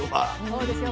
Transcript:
そうですよ。